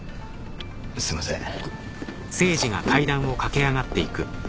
すいません。